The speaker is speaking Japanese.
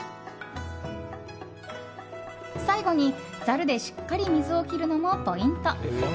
最後に、ざるでしっかり水を切るのもポイント。